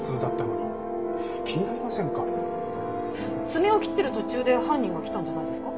爪を切ってる途中で犯人が来たんじゃないですか？